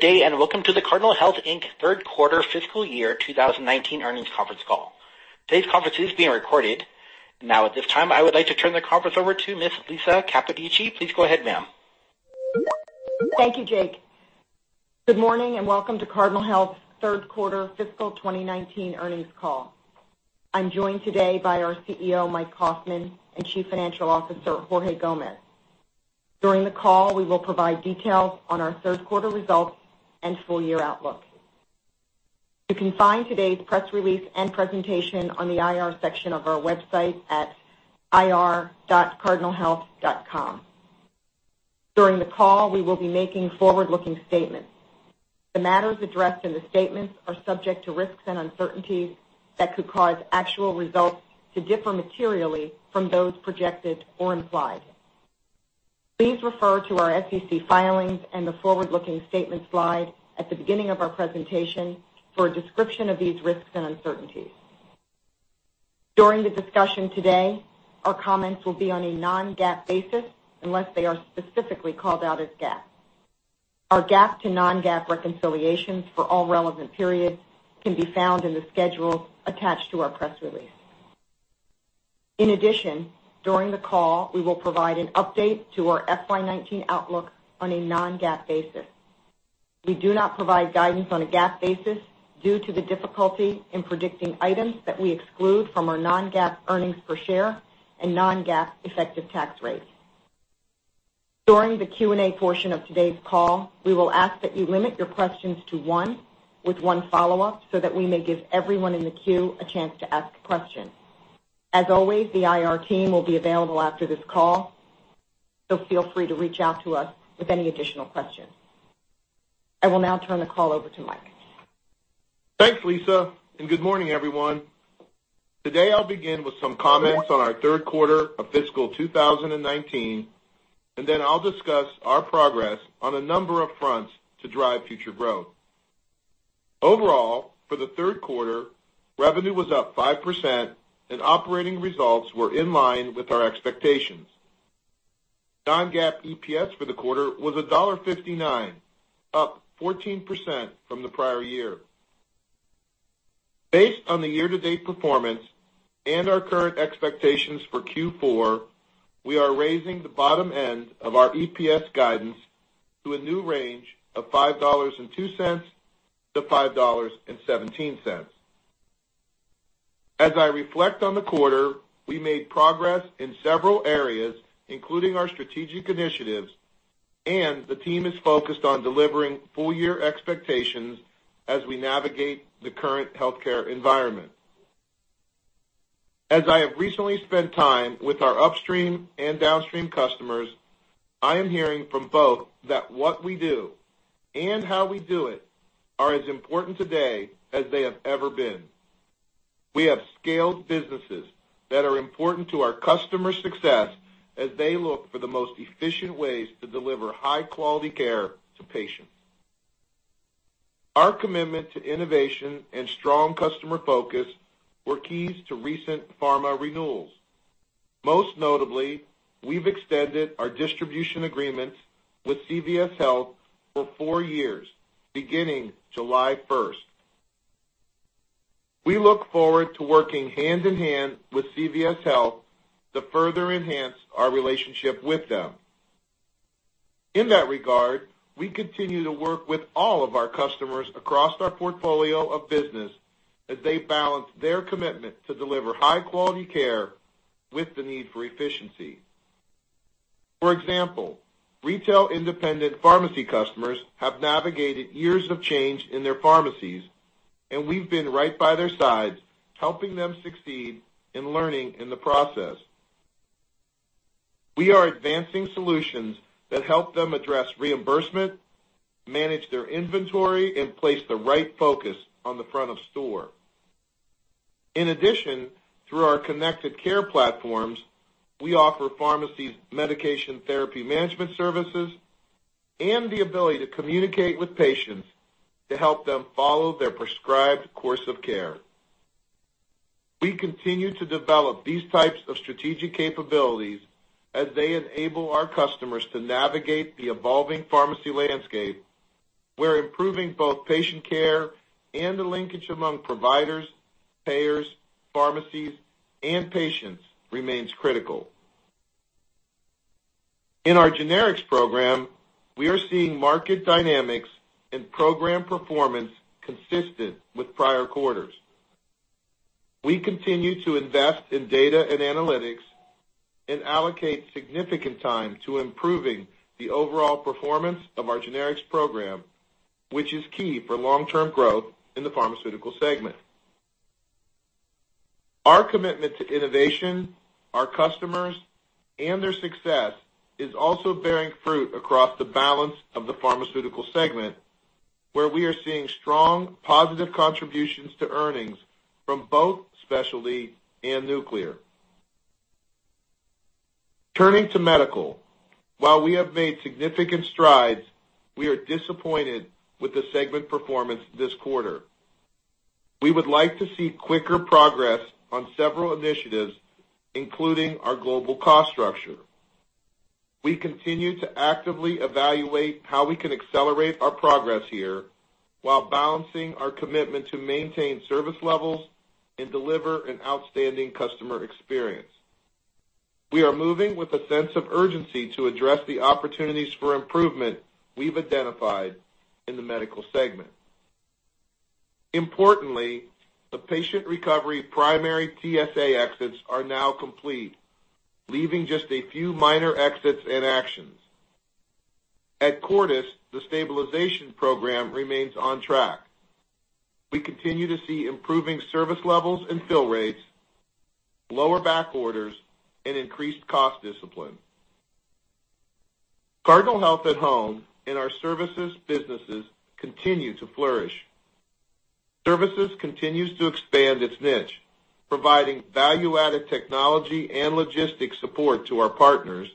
Good day, and welcome to the Cardinal Health, Inc. third quarter fiscal year 2019 earnings conference call. Today's conference is being recorded. At this time, I would like to turn the conference over to Ms. Lisa Capodice. Please go ahead, ma'am. Thank you, Jake. Good morning, and welcome to Cardinal Health's third quarter fiscal 2019 earnings call. I'm joined today by our CEO, Mike Kaufmann, and Chief Financial Officer, Jorge Gomez. During the call, we will provide details on our third quarter results and full year outlook. You can find today's press release and presentation on the IR section of our website at ir.cardinalhealth.com. During the call, we will be making forward-looking statements. The matters addressed in the statements are subject to risks and uncertainties that could cause actual results to differ materially from those projected or implied. Please refer to our SEC filings and the forward-looking statement slide at the beginning of our presentation for a description of these risks and uncertainties. During the discussion today, our comments will be on a non-GAAP basis unless they are specifically called out as GAAP. Our GAAP to non-GAAP reconciliations for all relevant periods can be found in the schedule attached to our press release. In addition, during the call, we will provide an update to our FY 2019 outlook on a non-GAAP basis. We do not provide guidance on a GAAP basis due to the difficulty in predicting items that we exclude from our non-GAAP earnings per share and non-GAAP effective tax rates. During the Q&A portion of today's call, we will ask that you limit your questions to one with one follow-up so that we may give everyone in the queue a chance to ask a question. As always, the IR team will be available after this call, so feel free to reach out to us with any additional questions. I will now turn the call over to Mike. Thanks, Lisa, and good morning, everyone. I'll begin with some comments on our third quarter of fiscal 2019, then I'll discuss our progress on a number of fronts to drive future growth. Overall, for the third quarter, revenue was up 5%, and operating results were in line with our expectations. Non-GAAP EPS for the quarter was $1.59, up 14% from the prior year. Based on the year-to-date performance and our current expectations for Q4, we are raising the bottom end of our EPS guidance to a new range of $5.02-$5.17. As I reflect on the quarter, we made progress in several areas, including our strategic initiatives, and the team is focused on delivering full-year expectations as we navigate the current healthcare environment. As I have recently spent time with our upstream and downstream customers, I am hearing from both that what we do and how we do it are as important today as they have ever been. We have scaled businesses that are important to our customers' success as they look for the most efficient ways to deliver high-quality care to patients. Our commitment to innovation and strong customer focus were keys to recent pharma renewals. Most notably, we've extended our distribution agreements with CVS Health for four years, beginning July 1st. We look forward to working hand in hand with CVS Health to further enhance our relationship with them. In that regard, we continue to work with all of our customers across our portfolio of business as they balance their commitment to deliver high-quality care with the need for efficiency. For example, retail independent pharmacy customers have navigated years of change in their pharmacies, and we've been right by their sides, helping them succeed and learning in the process. We are advancing solutions that help them address reimbursement, manage their inventory, and place the right focus on the front of store. In addition, through our connected care platforms, we offer pharmacies medication therapy management services and the ability to communicate with patients to help them follow their prescribed course of care. We continue to develop these types of strategic capabilities as they enable our customers to navigate the evolving pharmacy landscape, where improving both patient care and the linkage among providers, payers, pharmacies, and patients remains critical. In our generics program, we are seeing market dynamics and program performance consistent with prior quarters. We continue to invest in data and analytics and allocate significant time to improving the overall performance of our generics program, which is key for long-term growth in the pharmaceutical segment. Our commitment to innovation, our customers, and their success is also bearing fruit across the balance of the pharmaceutical segment, where we are seeing strong, positive contributions to earnings from both specialty and nuclear. Turning to Medical, while we have made significant strides, we are disappointed with the segment performance this quarter. We would like to see quicker progress on several initiatives, including our global cost structure. We continue to actively evaluate how we can accelerate our progress here while balancing our commitment to maintain service levels and deliver an outstanding customer experience. We are moving with a sense of urgency to address the opportunities for improvement we've identified in the Medical segment. Importantly, the Patient Recovery primary TSA exits are now complete, leaving just a few minor exits and actions. At Cordis, the stabilization program remains on track. We continue to see improving service levels and fill rates, lower backorders, and increased cost discipline. Cardinal Health at-Home and our services businesses continue to flourish. Services continues to expand its niche, providing value-added technology and logistics support to our partners,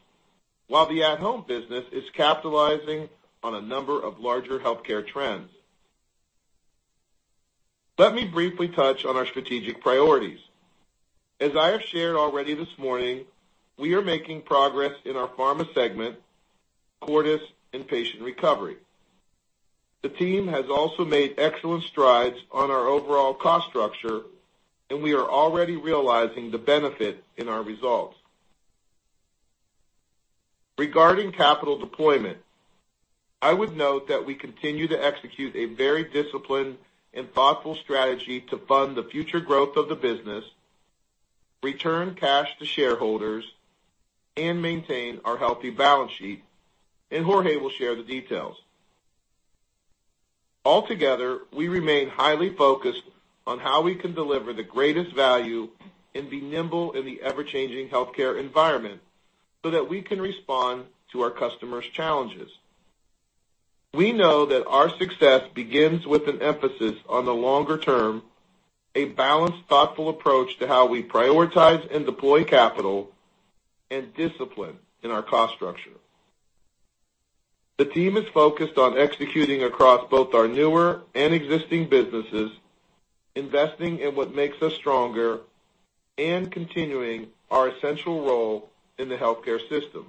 while the at-home business is capitalizing on a number of larger healthcare trends. Let me briefly touch on our strategic priorities. As I have shared already this morning, we are making progress in our Pharma segment, Cordis, and Patient Recovery. The team has also made excellent strides on our overall cost structure, and we are already realizing the benefit in our results. Regarding capital deployment, I would note that we continue to execute a very disciplined and thoughtful strategy to fund the future growth of the business, return cash to shareholders, and maintain our healthy balance sheet. Jorge will share the details. Altogether, we remain highly focused on how we can deliver the greatest value and be nimble in the ever-changing healthcare environment so that we can respond to our customers' challenges. We know that our success begins with an emphasis on the longer term, a balanced, thoughtful approach to how we prioritize and deploy capital, and discipline in our cost structure. The team is focused on executing across both our newer and existing businesses, investing in what makes us stronger, and continuing our essential role in the healthcare system.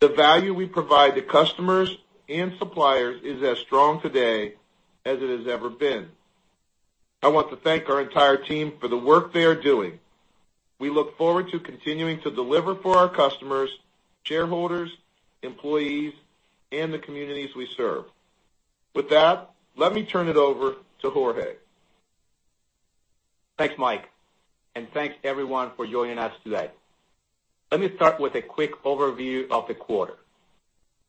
The value we provide to customers and suppliers is as strong today as it has ever been. I want to thank our entire team for the work they are doing. We look forward to continuing to deliver for our customers, shareholders, employees, and the communities we serve. With that, let me turn it over to Jorge. Thanks, Mike. Thank everyone for joining us today. Let me start with a quick overview of the quarter.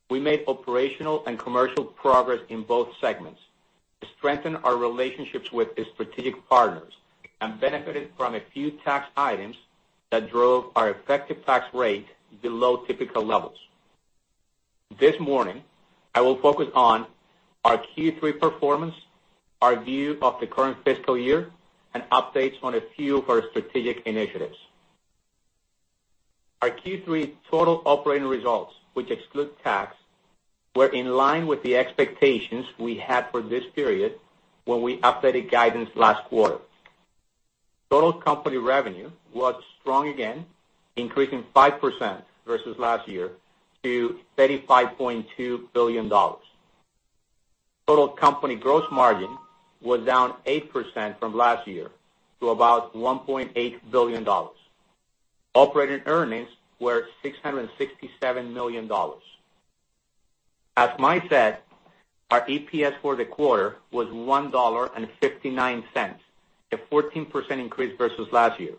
We made operational and commercial progress in both segments to strengthen our relationships with the strategic partners. Benefited from a few tax items that drove our effective tax rate below typical levels. This morning, I will focus on our Q3 performance, our view of the current fiscal year, and updates on a few of our strategic initiatives. Our Q3 total operating results, which exclude tax, were in line with the expectations we had for this period when we updated guidance last quarter. Total company revenue was strong again, increasing 5% versus last year to $35.2 billion. Total company gross margin was down 8% from last year to about $1.8 billion. Operating earnings were $667 million. As Mike said, our EPS for the quarter was $1.59, a 14% increase versus last year.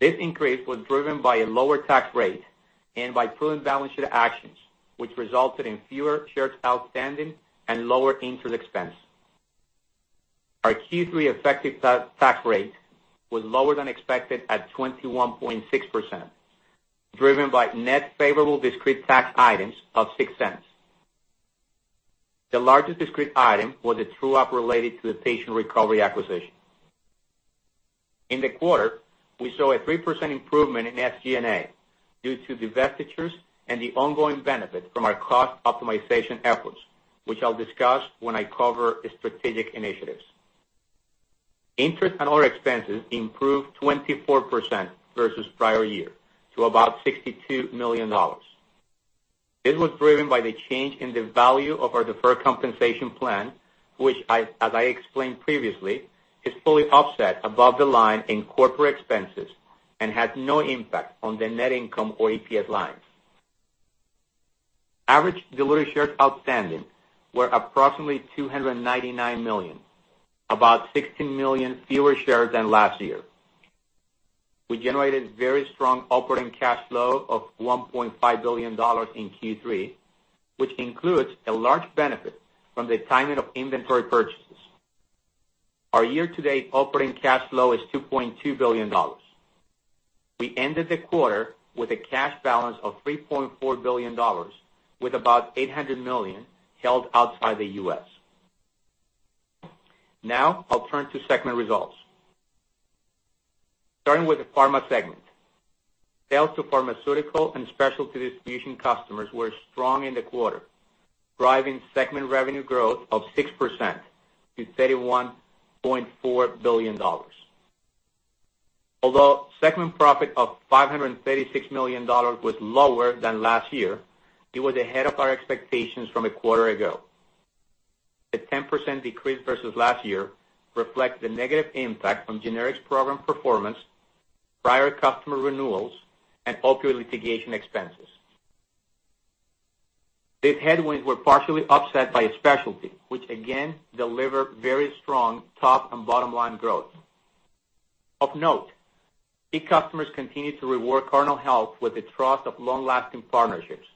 This increase was driven by a lower tax rate and by prudent balance sheet actions, which resulted in fewer shares outstanding and lower interest expense. Our Q3 effective tax rate was lower than expected at 21.6%, driven by net favorable discrete tax items of $0.06. The largest discrete item was the true-up related to the Patient Recovery acquisition. In the quarter, we saw a 3% improvement in SG&A due to divestitures and the ongoing benefit from our cost optimization efforts, which I'll discuss when I cover the strategic initiatives. Interest and other expenses improved 24% versus prior year to about $62 million. This was driven by the change in the value of our deferred compensation plan, which, as I explained previously, is fully offset above the line in corporate expenses and has no impact on the net income or EPS lines. Average diluted shares outstanding were approximately 299 million, about 16 million fewer shares than last year. We generated very strong operating cash flow of $1.5 billion in Q3, which includes a large benefit from the timing of inventory purchases. Our year-to-date operating cash flow is $2.2 billion. We ended the quarter with a cash balance of $3.4 billion, with about $800 million held outside the U.S. Now, I'll turn to segment results. Starting with the pharma segment. Sales to pharmaceutical and specialty distribution customers were strong in the quarter, driving segment revenue growth of 6% to $31.4 billion. Although segment profit of $536 million was lower than last year, it was ahead of our expectations from a quarter ago. The 10% decrease versus last year reflects the negative impact from generics program performance, prior customer renewals, and opioid litigation expenses. These headwinds were partially offset by specialty, which again delivered very strong top and bottom-line growth. Of note, big customers continue to reward Cardinal Health with the trust of long-lasting partnerships.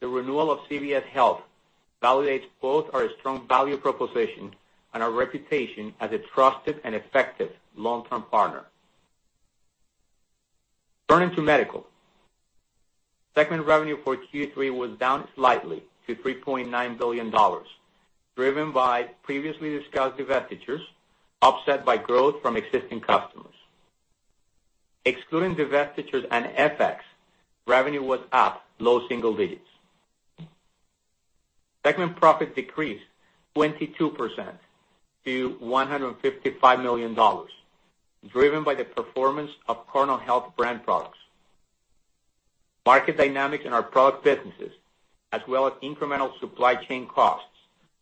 The renewal of CVS Health validates both our strong value proposition and our reputation as a trusted and effective long-term partner. Turning to medical. Segment revenue for Q3 was down slightly to $3.9 billion, driven by previously discussed divestitures, offset by growth from existing customers. Excluding divestitures and FX, revenue was up low single digits. Segment profit decreased 22% to $155 million, driven by the performance of Cardinal Health brand products. Market dynamics in our product businesses, as well as incremental supply chain costs,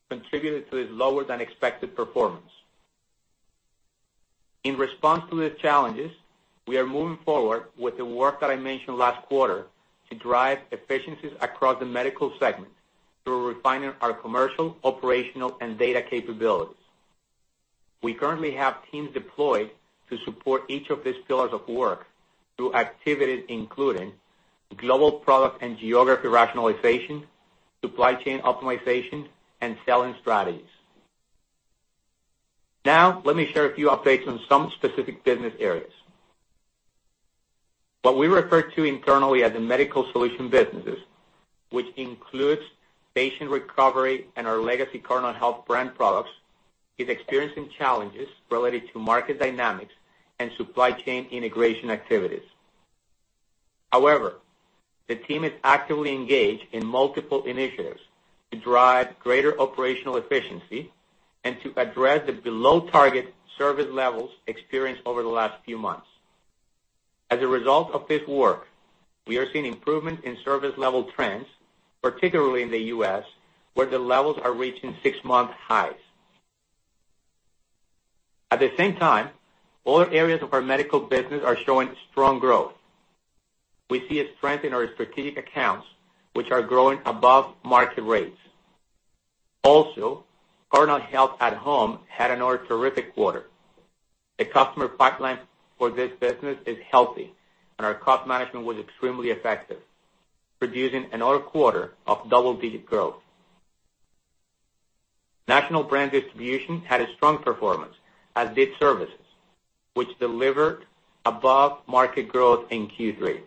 contributed to this lower than expected performance. In response to the challenges, we are moving forward with the work that I mentioned last quarter to drive efficiencies across the medical segment through refining our commercial, operational, and data capabilities. We currently have teams deployed to support each of these pillars of work through activities including global product and geography rationalization, supply chain optimization, and selling strategies. Now, let me share a few updates on some specific business areas. What we refer to internally as the medical solution businesses, which includes Patient Recovery and our legacy Cardinal Health brand products, is experiencing challenges related to market dynamics and supply chain integration activities. However, the team is actively engaged in multiple initiatives to drive greater operational efficiency and to address the below-target service levels experienced over the last few months. As a result of this work, we are seeing improvement in service level trends, particularly in the U.S., where the levels are reaching six-month highs. At the same time, all areas of our medical business are showing strong growth. We see a strength in our strategic accounts, which are growing above market rates. Also, Cardinal Health at-Home had another terrific quarter. The customer pipeline for this business is healthy, and our cost management was extremely effective, producing another quarter of double-digit growth. National brand distribution had a strong performance, as did services, which delivered above-market growth in Q3.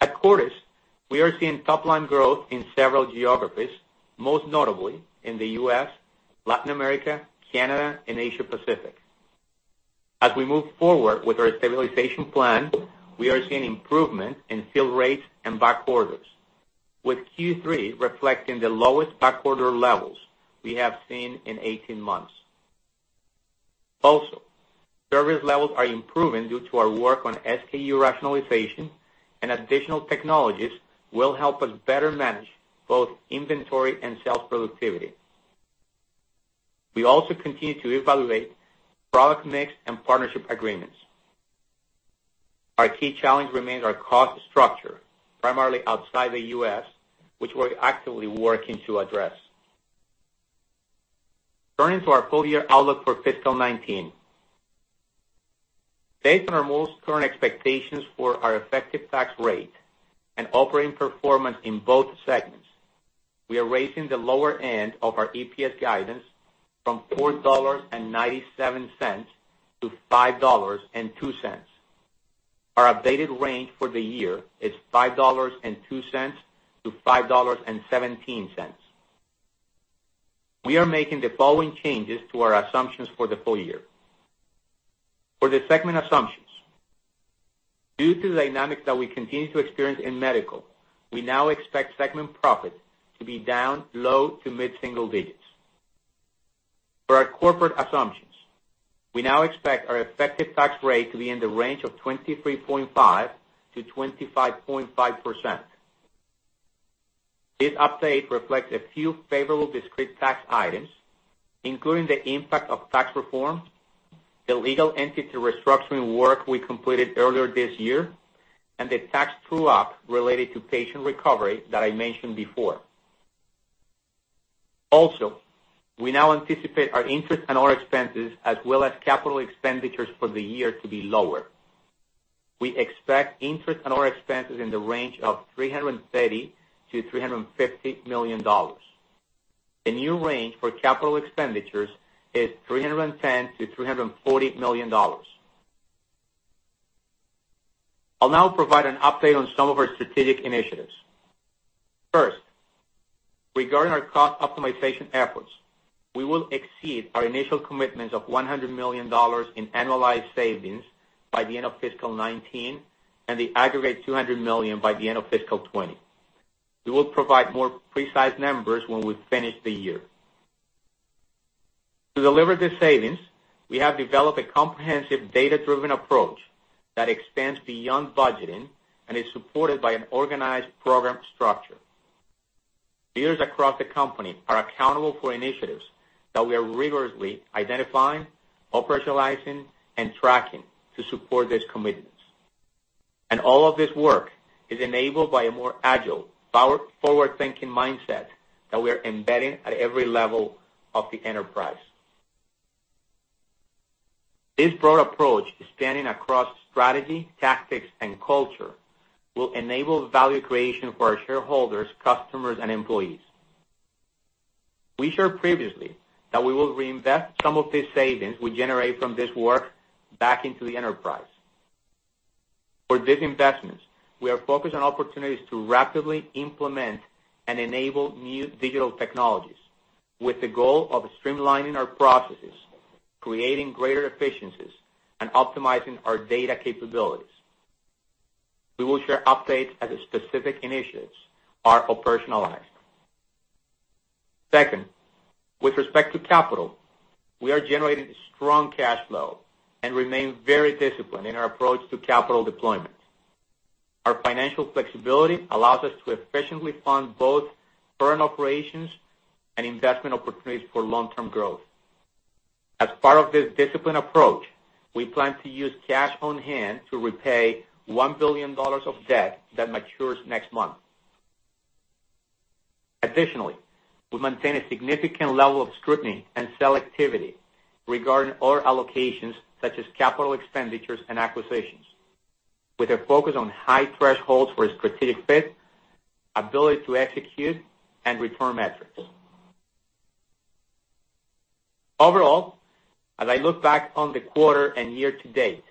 At Cordis, we are seeing top-line growth in several geographies, most notably in the U.S., Latin America, Canada, and Asia Pacific. As we move forward with our stabilization plan, we are seeing improvement in fill rates and backorders, with Q3 reflecting the lowest backorder levels we have seen in 18 months. Also, service levels are improving due to our work on SKU rationalization, and additional technologies will help us better manage both inventory and sales productivity. We also continue to evaluate product mix and partnership agreements. Our key challenge remains our cost structure, primarily outside the U.S., which we are actively working to address. Turning to our full-year outlook for FY 2019. Based on our most current expectations for our effective tax rate and operating performance in both segments, we are raising the lower end of our EPS guidance from $4.97 to $5.02. Our updated range for the year is $5.02-$5.17. We are making the following changes to our assumptions for the full year. For the segment assumptions, due to the dynamics that we continue to experience in medical, we now expect segment profit to be down low to mid-single digits. For our corporate assumptions, we now expect our effective tax rate to be in the range of 23.5%-25.5%. This update reflects a few favorable discrete tax items, including the impact of tax reform, the legal entity restructuring work we completed earlier this year, and the tax true-up related to Patient Recovery that I mentioned before. Also, we now anticipate our interest and other expenses as well as capital expenditures for the year to be lower. We expect interest and other expenses in the range of $330 million-$350 million. The new range for capital expenditures is $310 million-$340 million. I will now provide an update on some of our strategic initiatives. First, regarding our cost optimization efforts, we will exceed our initial commitments of $100 million in annualized savings by the end of FY 2019, and the aggregate $200 million by the end of FY 2020. We will provide more precise numbers when we finish the year. To deliver these savings, we have developed a comprehensive data-driven approach that extends beyond budgeting and is supported by an organized program structure. Leaders across the company are accountable for initiatives that we are rigorously identifying, operationalizing, and tracking to support these commitments. All of this work is enabled by a more agile, forward-thinking mindset that we are embedding at every level of the enterprise. This broad approach is spanning across strategy, tactics, and culture, will enable value creation for our shareholders, customers, and employees. We shared previously that we will reinvest some of these savings we generate from this work back into the enterprise. For these investments, we are focused on opportunities to rapidly implement and enable new digital technologies with the goal of streamlining our processes, creating greater efficiencies, and optimizing our data capabilities. We will share updates as specific initiatives are operationalized. Second, with respect to capital, we are generating strong cash flow and remain very disciplined in our approach to capital deployment. Our financial flexibility allows us to efficiently fund both current operations and investment opportunities for long-term growth. As part of this disciplined approach, we plan to use cash on hand to repay $1 billion of debt that matures next month. Additionally, we maintain a significant level of scrutiny and selectivity regarding our allocations, such as capital expenditures and acquisitions, with a focus on high thresholds for strategic fit, ability to execute, and return metrics. Overall, as I look back on the quarter and year to date,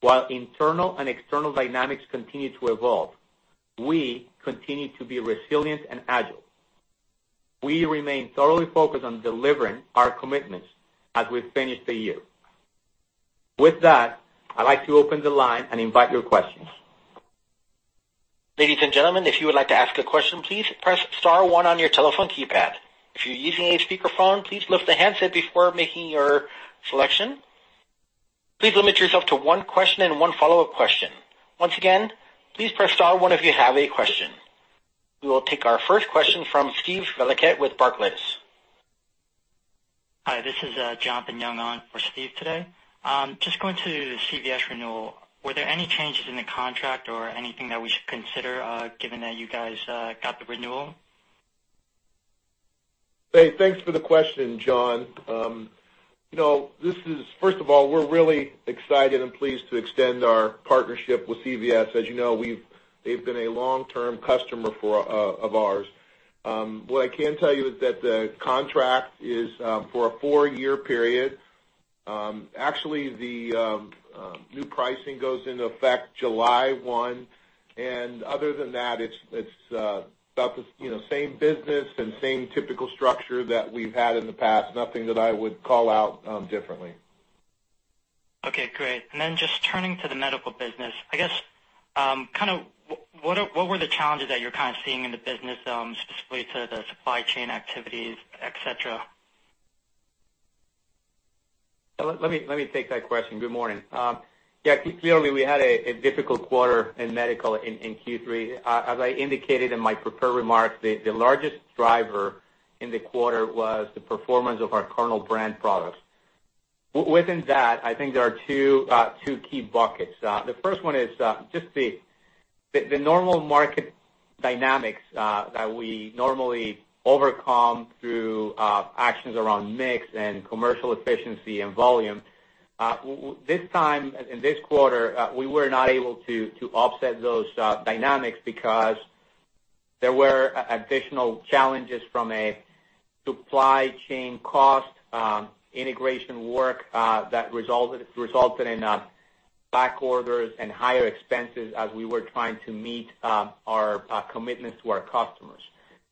while internal and external dynamics continue to evolve, we continue to be resilient and agile. We remain thoroughly focused on delivering our commitments as we finish the year. With that, I'd like to open the line and invite your questions. Ladies and gentlemen, if you would like to ask a question, please press star one on your telephone keypad. If you're using a speakerphone, please lift the handset before making your selection. Please limit yourself to one question and one follow-up question. Once again, please press star one if you have a question. We will take our first question from Steven Valiquette with Barclays. Hi, this is John Pinangon for Steve today. Just going to the CVS renewal, were there any changes in the contract or anything that we should consider, given that you guys got the renewal? Hey, thanks for the question, John. First of all, we're really excited and pleased to extend our partnership with CVS. As you know, they've been a long-term customer of ours. What I can tell you is that the contract is for a four-year period. Actually, the new pricing goes into effect July 1, and other than that, it's about the same business and same typical structure that we've had in the past. Nothing that I would call out differently. Okay, great. Just turning to the medical business, I guess, what were the challenges that you're kind of seeing in the business, specifically to the supply chain activities, et cetera? Let me take that question. Good morning. Clearly, we had a difficult quarter in medical in Q3. As I indicated in my prepared remarks, the largest driver in the quarter was the performance of our Cardinal brand products. Within that, I think there are two key buckets. The first one is just the normal market dynamics that we normally overcome through actions around mix and commercial efficiency and volume. This time, in this quarter, we were not able to offset those dynamics because there were additional challenges from a supply chain cost integration work that resulted in back orders and higher expenses as we were trying to meet our commitments to our customers.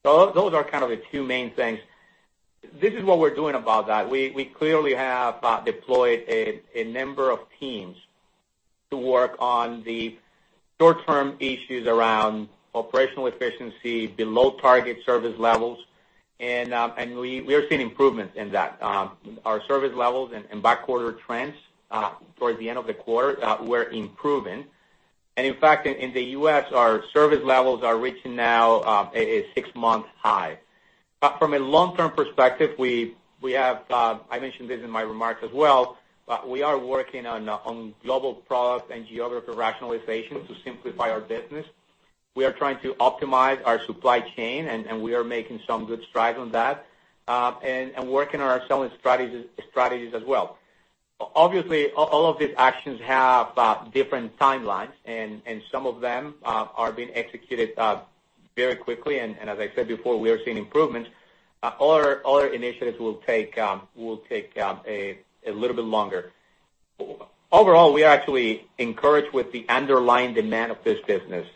Those are kind of the two main things. This is what we're doing about that. We clearly have deployed a number of teams to work on the short-term issues around operational efficiency, below target service levels, and we are seeing improvements in that. Our service levels and back order trends towards the end of the quarter were improving. In fact, in the U.S., our service levels are reaching now a six-month high. From a long-term perspective, I mentioned this in my remarks as well, we are working on global product and geography rationalization to simplify our business. We are trying to optimize our supply chain, and we are making some good strides on that, and working on our selling strategies as well. Obviously, all of these actions have different timelines, and some of them are being executed very quickly, and as I said before, we are seeing improvements. Other initiatives will take a little bit longer. Overall, we are actually encouraged with the underlying demand of this business,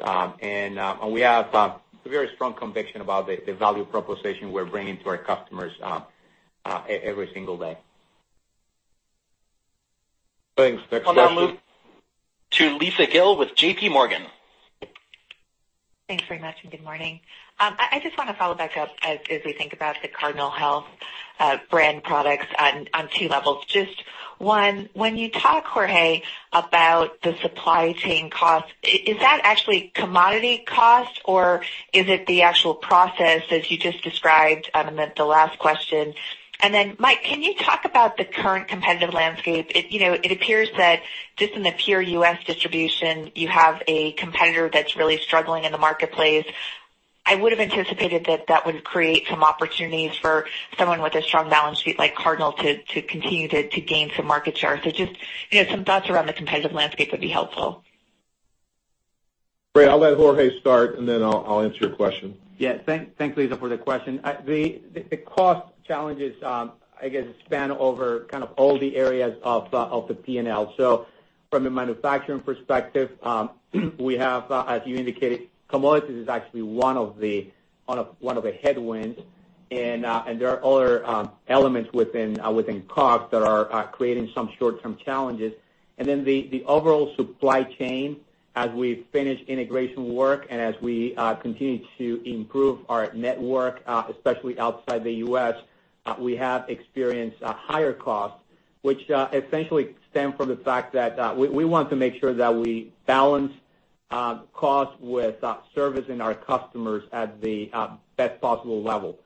and we have a very strong conviction about the value proposition we're bringing to our customers every single day. Thanks. Next question. We'll now move to Lisa Gill with J.P. Morgan. Thanks very much, and good morning. I just want to follow back up as we think about the Cardinal Health brand products on two levels. Just one, when you talk, Jorge, about the supply chain cost, is that actually commodity cost or is it the actual process as you just described on the last question? Then, Mike, can you talk about the current competitive landscape? It appears that just in the pure U.S. distribution, you have a competitor that's really struggling in the marketplace. I would've anticipated that that would create some opportunities for someone with a strong balance sheet like Cardinal to continue to gain some market share. Just some thoughts around the competitive landscape would be helpful. Great. I'll let Jorge start, and then I'll answer your question. Thanks, Lisa, for the question. The cost challenges, I guess, span over all the areas of the P&L. From a manufacturing perspective, we have, as you indicated, commodities is actually one of the headwinds, and there are other elements within COGS that are creating some short-term challenges. The overall supply chain, as we finish integration work and as we continue to improve our network, especially outside the U.S., we have experienced higher costs, which essentially stem from the fact that we want to make sure that we balance cost with servicing our customers at the best possible level.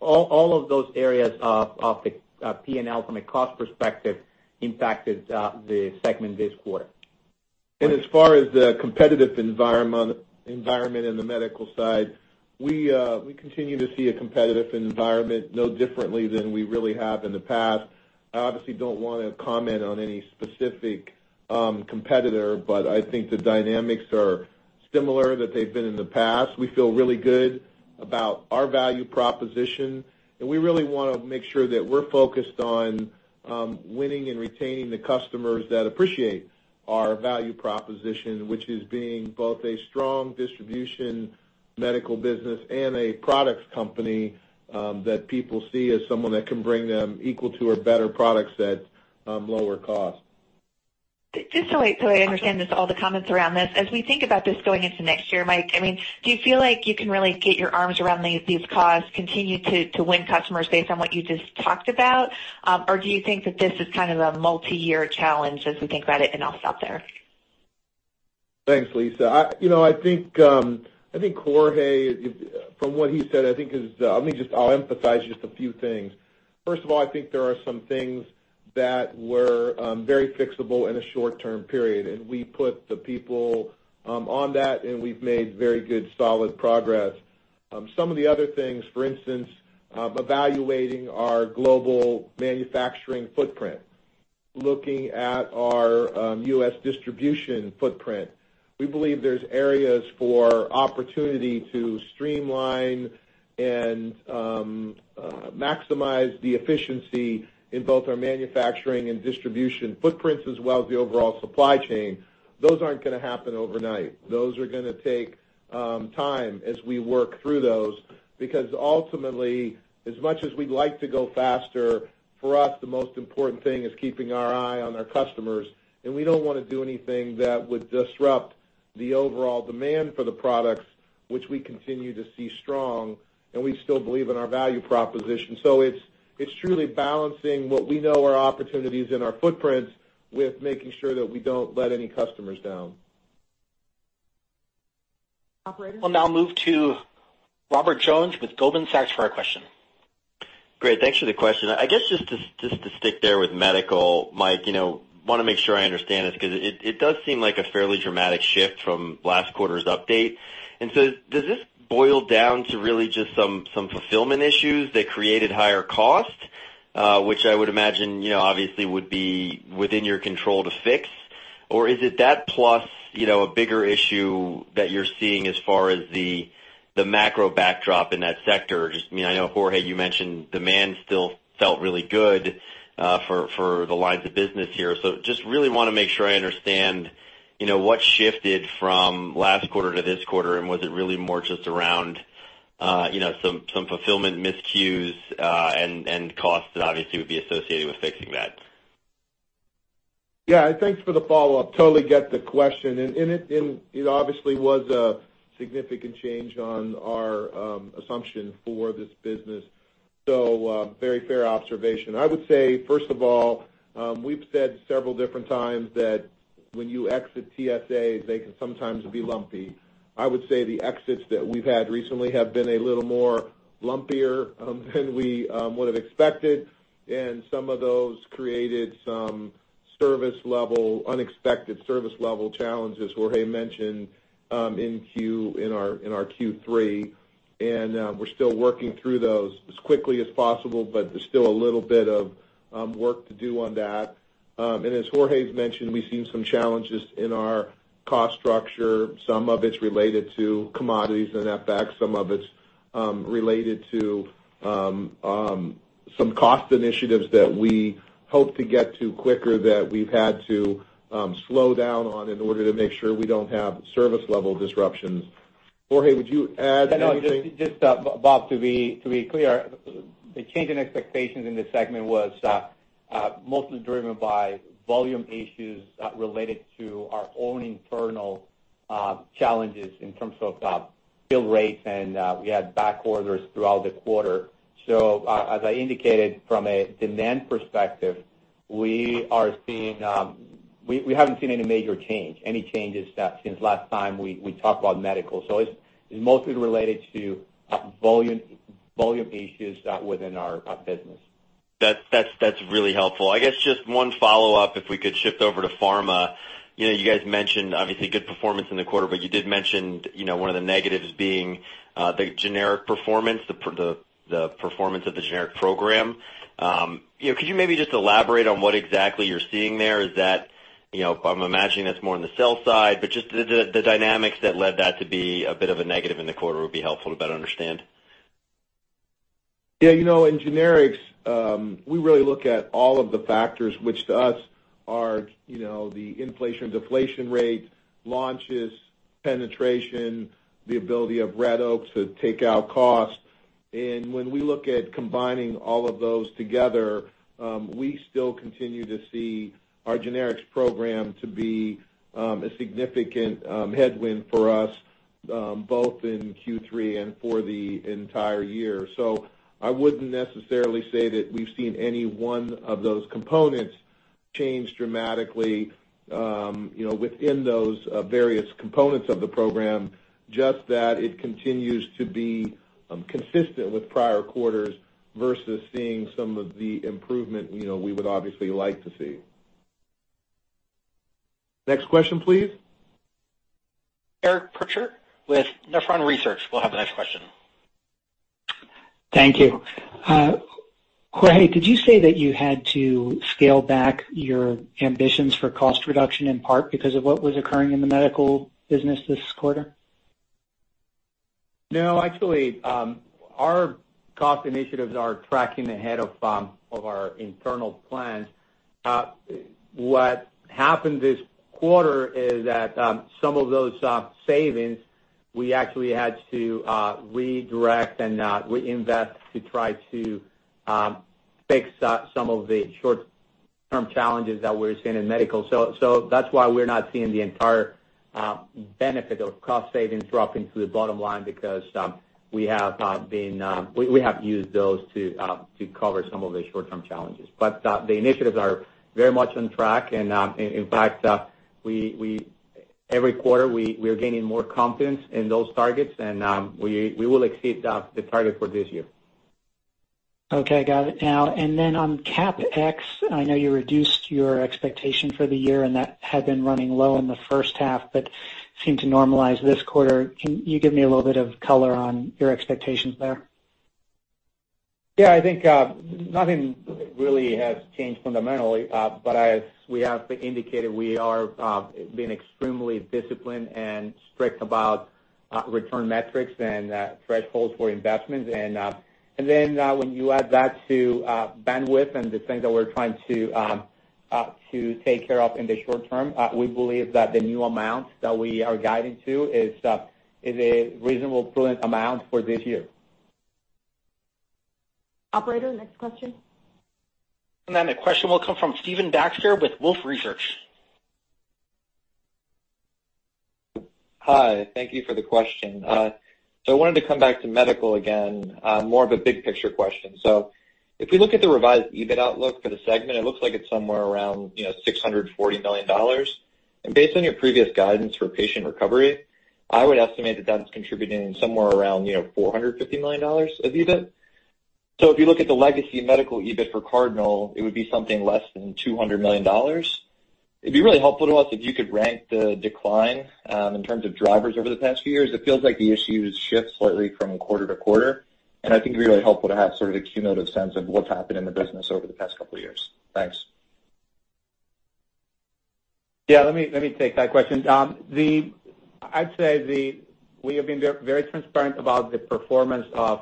All of those areas of the P&L from a cost perspective impacted the segment this quarter. As far as the competitive environment in the medical side, we continue to see a competitive environment no differently than we really have in the past. I obviously don't want to comment on any specific competitor, I think the dynamics are similar that they've been in the past. We feel really good about our value proposition, we really want to make sure that we're focused on winning and retaining the customers that appreciate our value proposition, which is being both a strong distribution medical business and a products company that people see as someone that can bring them equal to or better products at lower cost. Just so I understand this, all the comments around this, as we think about this going into next year, Mike, do you feel like you can really get your arms around these costs, continue to win customers based on what you just talked about? Do you think that this is kind of a multi-year challenge as we think about it? I'll stop there. Thanks, Lisa. I think Jorge, from what he said, I'll emphasize just a few things. First of all, I think there are some things that were very fixable in a short-term period, and we put the people on that, and we've made very good, solid progress. Some of the other things, for instance, evaluating our global manufacturing footprint, looking at our U.S. distribution footprint. We believe there's areas for opportunity to streamline and maximize the efficiency in both our manufacturing and distribution footprints, as well as the overall supply chain. Those aren't going to happen overnight. Ultimately, as much as we'd like to go faster, for us, the most important thing is keeping our eye on our customers. We don't want to do anything that would disrupt the overall demand for the products, which we continue to see strong. We still believe in our value proposition. It's truly balancing what we know are opportunities in our footprints with making sure that we don't let any customers down. Operator? We'll now move to Robert Jones with Goldman Sachs for our question. Great. Thanks for the question. I guess just to stick there with medical, Mike, want to make sure I understand this because it does seem like a fairly dramatic shift from last quarter's update. Does this boil down to really just some fulfillment issues that created higher cost, which I would imagine, obviously, would be within your control to fix? Is it that plus a bigger issue that you're seeing as far as the macro backdrop in that sector? Just, I know, Jorge, you mentioned demand still felt really good for the lines of business here. Just really want to make sure I understand what shifted from last quarter to this quarter, and was it really more just around some fulfillment miscues and costs that obviously would be associated with fixing that? Yeah. Thanks for the follow-up. Totally get the question. It obviously was a significant change on our assumption for this business. Very fair observation. I would say, first of all, we've said several different times that when you exit TSA, they can sometimes be lumpy. I would say the exits that we've had recently have been a little more lumpier than we would have expected, and some of those created some unexpected service level challenges Jorge mentioned in our Q3. We're still working through those as quickly as possible, there's still a little bit of work to do on that. As Jorge has mentioned, we've seen some challenges in our cost structure. Some of it's related to commodities and FX, some of it's related to some cost initiatives that we hope to get to quicker that we've had to slow down on in order to make sure we don't have service-level disruptions. Jorge, would you add anything? No, just, Bob, to be clear, the change in expectations in this segment was mostly driven by volume issues related to our own internal challenges in terms of bill rates, we had back orders throughout the quarter. As I indicated, from a demand perspective, we haven't seen any major change, any changes since last time we talked about medical. It's mostly related to volume issues within our business. That's really helpful. I guess just one follow-up, if we could shift over to pharma. You guys mentioned, obviously, good performance in the quarter, you did mention one of the negatives being the generic performance, the performance of the generic program. Could you maybe just elaborate on what exactly you're seeing there? I'm imagining that's more on the sales side, just the dynamics that led that to be a bit of a negative in the quarter would be helpful to better understand. Yeah. In generics, we really look at all of the factors which to us are the inflation/deflation rate, launches, penetration, the ability of Red Oak to take out costs. When we look at combining all of those together, we still continue to see our generics program to be a significant headwind for us, both in Q3 and for the entire year. I wouldn't necessarily say that we've seen any one of those components change dramatically within those various components of the program, just that it continues to be consistent with prior quarters versus seeing some of the improvement we would obviously like to see. Next question, please. Eric Percher with Nephron Research will have the next question. Thank you. Jorge, did you say that you had to scale back your ambitions for cost reduction in part because of what was occurring in the medical business this quarter? No, actually, our cost initiatives are tracking ahead of our internal plans. What happened this quarter is that some of those savings, we actually had to redirect and reinvest to try to fix some of the short-term challenges that we're seeing in medical. That's why we're not seeing the entire benefit of cost savings dropping to the bottom line because we have used those to cover some of the short-term challenges. The initiatives are very much on track and, in fact, every quarter, we're gaining more confidence in those targets and we will exceed the target for this year. Okay, got it. On CapEx, I know you reduced your expectation for the year, and that had been running low in the first half but seemed to normalize this quarter. Can you give me a little bit of color on your expectations there? Yeah, I think nothing really has changed fundamentally. As we have indicated, we are being extremely disciplined and strict about return metrics and thresholds for investments. When you add that to bandwidth and the things that we're trying to take care of in the short term, we believe that the new amount that we are guiding to is a reasonable, prudent amount for this year. Operator, next question. The question will come from Stephen Baxter with Wolfe Research. Hi. Thank you for the question. I wanted to come back to medical again, more of a big-picture question. If we look at the revised EBIT outlook for the segment, it looks like it's somewhere around $640 million. Based on your previous guidance for Patient Recovery, I would estimate that that's contributing somewhere around $450 million of EBIT. If you look at the legacy medical EBIT for Cardinal, it would be something less than $200 million. It would be really helpful to us if you could rank the decline in terms of drivers over the past few years. It feels like the issues shift slightly from quarter to quarter, and I think it would be really helpful to have sort of a cumulative sense of what's happened in the business over the past couple of years. Thanks. Yeah, let me take that question. I would say we have been very transparent about the performance of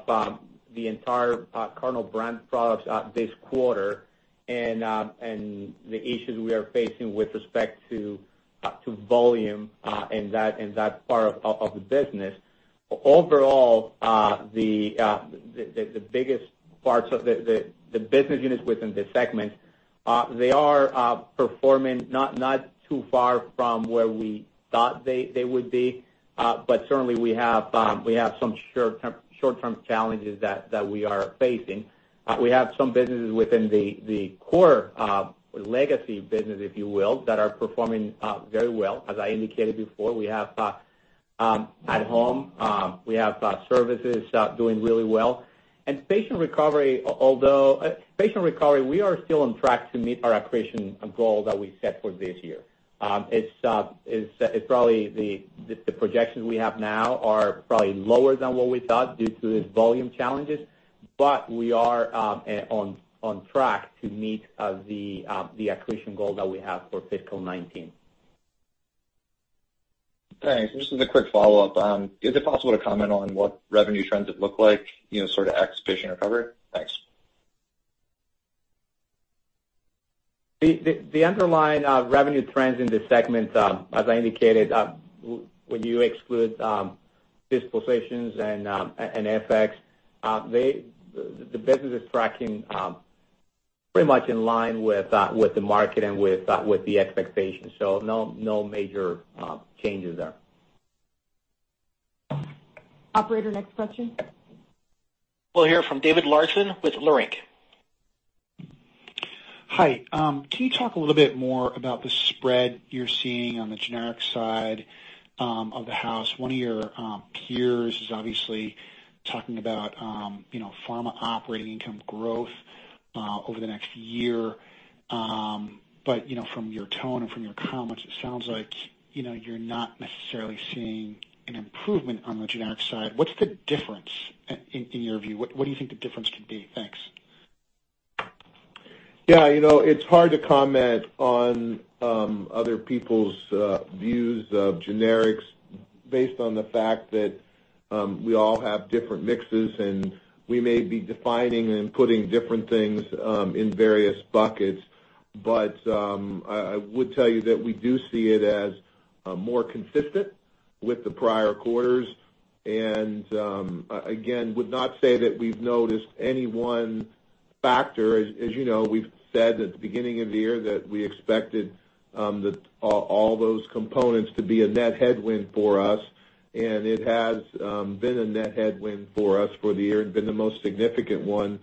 the entire Cardinal brand products this quarter and the issues we are facing with respect to volume in that part of the business. Overall, the biggest parts of the business units within the segment, they are performing not too far from where we thought they would be. Certainly, we have some short-term challenges that we are facing. We have some businesses within the core legacy business, if you will, that are performing very well. As I indicated before, we have at-Home, we have Services doing really well. Patient Recovery, we are still on track to meet our accretion goal that we set for this year. The projections we have now are probably lower than what we thought due to the volume challenges, but we are on track to meet the accretion goal that we have for fiscal 2019. Thanks. Just as a quick follow-up, is it possible to comment on what revenue trends have looked like, sort of ex Patient Recovery? Thanks. The underlying revenue trends in this segment, as I indicated, when you exclude dispositions and FX, the business is tracking pretty much in line with the market and with the expectations. No major changes there. Operator, next question. We'll hear from David Larsen with Leerink. Hi. Can you talk a little bit more about the spread you're seeing on the generic side of the house? One of your peers is obviously talking about pharma operating income growth over the next year. From your tone and from your comments, it sounds like you're not necessarily seeing an improvement on the generic side. What's the difference in your view? What do you think the difference could be? Thanks. Yeah. It's hard to comment on other people's views of generics based on the fact that we all have different mixes, and we may be defining and putting different things in various buckets. I would tell you that we do see it as more consistent with the prior quarters, and again, would not say that we've noticed any one factor. As you know, we've said at the beginning of the year that we expected that all those components to be a net headwind for us, and it has been a net headwind for us for the year and been the most significant one.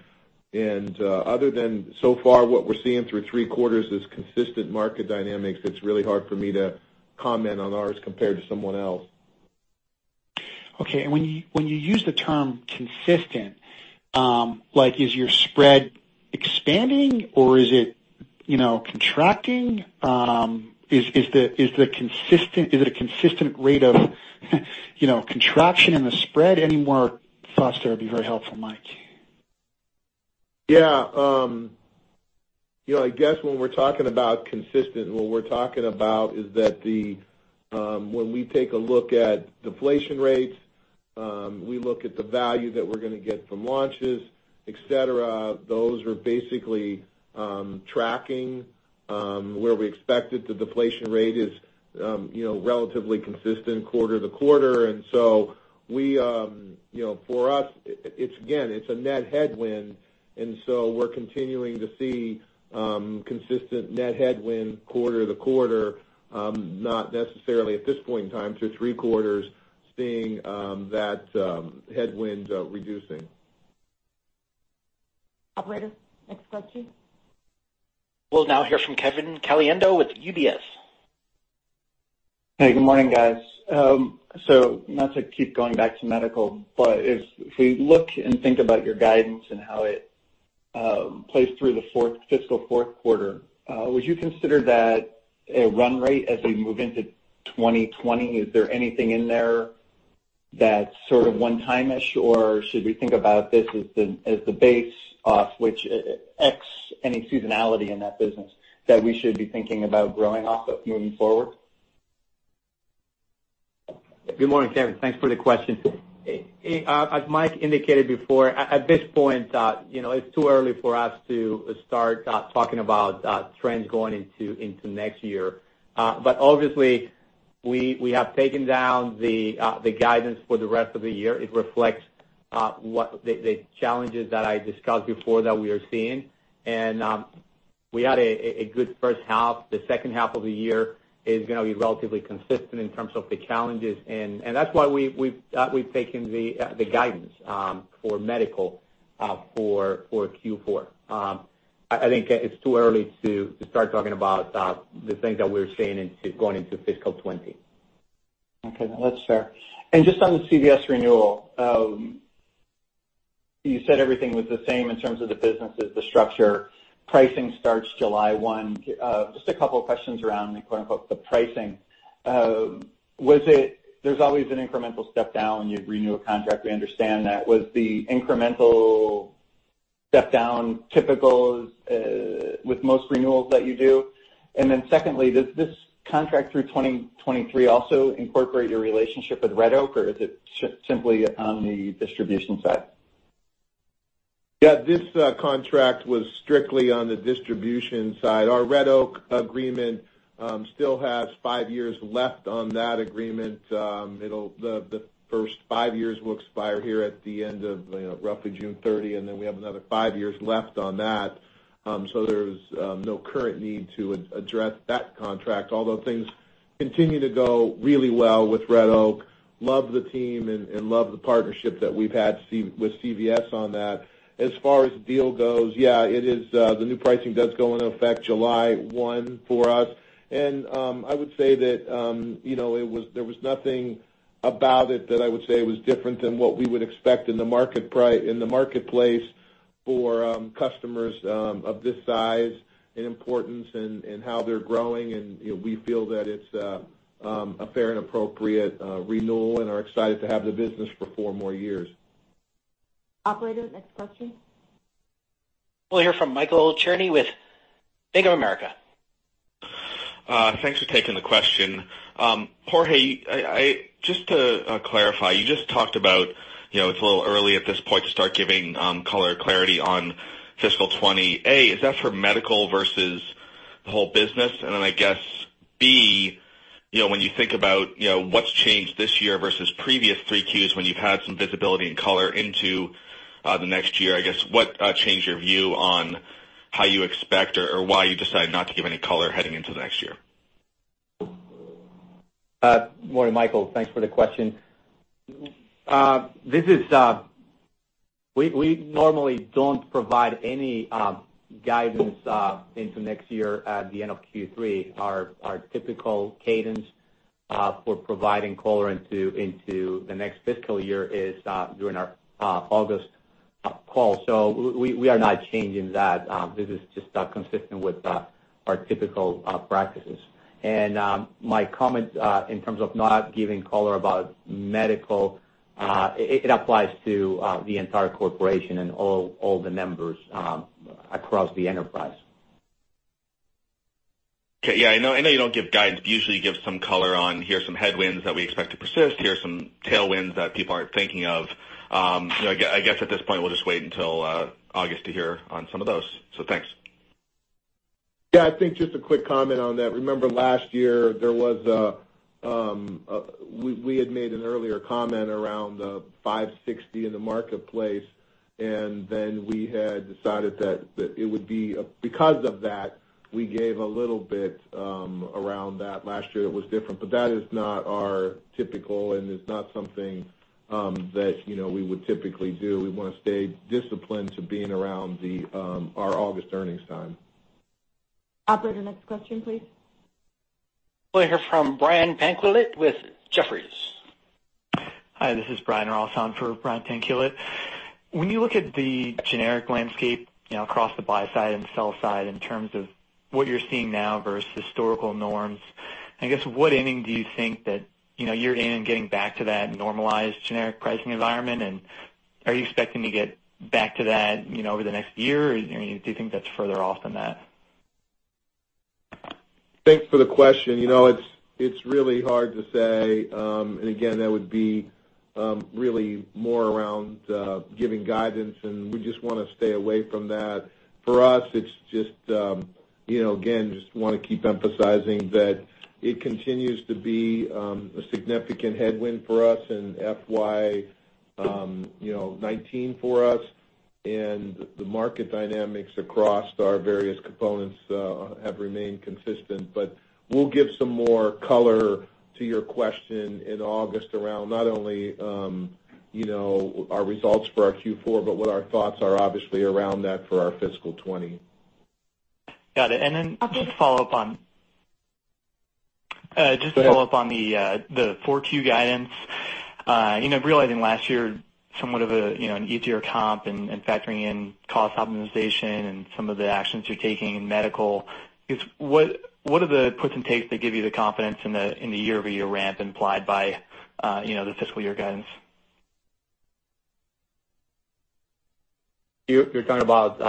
Other than so far what we're seeing through three quarters is consistent market dynamics, it's really hard for me to comment on ours compared to someone else. Okay. When you use the term "consistent," is your spread expanding or is it contracting? Is it a consistent rate of contraction in the spread? Any more thoughts there would be very helpful, Mike. Yeah. I guess when we're talking about consistent, what we're talking about is that when we take a look at deflation rates, we look at the value that we're going to get from launches, et cetera, those are basically tracking where we expected. The deflation rate is relatively consistent quarter-to-quarter. For us, again, it's a net headwind, we're continuing to see consistent net headwind quarter-to-quarter, not necessarily at this point in time, through three quarters, seeing that headwinds reducing. Operator, next question. We'll now hear from Kevin Caliendo with UBS. Hey, good morning, guys. Not to keep going back to medical, if we look and think about your guidance and how it plays through the fiscal fourth quarter, would you consider that a run rate as we move into 2020? Is there anything in there that's sort of one-time-ish, or should we think about this as the base off which, X any seasonality in that business, that we should be thinking about growing off of moving forward? Good morning, Kevin. Thanks for the question. As Mike indicated before, at this point, it's too early for us to start talking about trends going into next year. Obviously, we have taken down the guidance for the rest of the year. It reflects the challenges that I discussed before that we are seeing. We had a good first half. The second half of the year is going to be relatively consistent in terms of the challenges, and that's why we've taken the guidance for medical for Q4. I think it's too early to start talking about the things that we're seeing going into fiscal 2020. Okay. No, that's fair. Just on the CVS renewal, you said everything was the same in terms of the businesses, the structure. Pricing starts July 1. Just a couple of questions around the quote-unquote, "the pricing." There's always an incremental step-down when you renew a contract, we understand that. Was the incremental step-down typical with most renewals that you do? Then secondly, does this contract through 2023 also incorporate your relationship with Red Oak, or is it simply on the distribution side? Yeah. This contract was strictly on the distribution side. Our Red Oak agreement still has 5 years left on that agreement. The first 5 years will expire here at the end of roughly June 30, then we have another 5 years left on that. There's no current need to address that contract, although things continue to go really well with Red Oak. Love the team and love the partnership that we've had with CVS on that. As far as the deal goes, yeah, the new pricing does go into effect July 1 for us. I would say that there was nothing about it that I would say was different than what we would expect in the marketplace for customers of this size and importance and how they're growing. We feel that it's a fair and appropriate renewal and are excited to have the business for 4 more years. Operator, next question. We'll hear from Michael Cherny with Bank of America. Thanks for taking the question. Jorge, just to clarify, you just talked about, it's a little early at this point to start giving color or clarity on fiscal 2020. A, is that for medical versus the whole business? I guess, B, when you think about what's changed this year versus previous three Qs when you've had some visibility and color into the next year, I guess, what changed your view on how you expect or why you decided not to give any color heading into the next year? Morning, Michael. Thanks for the question. We normally don't provide any guidance into next year at the end of Q3. Our typical cadence for providing color into the next fiscal year is during our August call. We are not changing that. This is just consistent with our typical practices. My comment in terms of not giving color about medical, it applies to the entire corporation and all the members across the enterprise. Okay. Yeah, I know you don't give guidance, but you usually give some color on, "Here's some headwinds that we expect to persist. Here are some tailwinds that people aren't thinking of." I guess at this point, we'll just wait until August to hear on some of those. Thanks. Yeah, I think just a quick comment on that. Remember last year, we had made an earlier comment around 560 in the marketplace, we had decided that because of that, we gave a little bit around that last year that was different. That is not our typical, it's not something that we would typically do. We want to stay disciplined to being around our August earnings time. Operator, next question, please. We'll hear from Brian Tanquilut with Jefferies. Hi, this is Brian Ross on for Brian Tanquilut. When you look at the generic landscape across the buy side and sell side in terms of what you're seeing now versus historical norms, I guess, what inning do you think that you're in in getting back to that normalized generic pricing environment? Are you expecting to get back to that over the next year, or do you think that's further off than that? Thanks for the question. It's really hard to say. Again, that would be really more around giving guidance, and we just want to stay away from that. For us, again, just want to keep emphasizing that it continues to be a significant headwind for us in FY 2019 for us, and the market dynamics across our various components have remained consistent. We'll give some more color to your question in August around not only our results for our Q4, but what our thoughts are obviously around that for our fiscal 2020. Got it. Then- Operator- Just to follow up on- Go ahead the 4Q guidance. Realizing last year, somewhat of an easier comp and factoring in cost optimization and some of the actions you're taking in medical, what are the puts and takes that give you the confidence in the year-over-year ramp implied by the fiscal year guidance? You're talking about